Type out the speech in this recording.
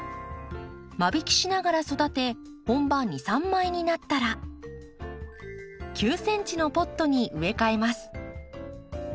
間引きしながら育て本葉２３枚になったら９ｃｍのポットに植え替えます。